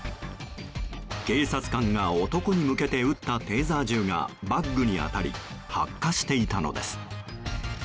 警察官が男に向けて撃ったテーザー銃がバッグに当たり発火していたのです。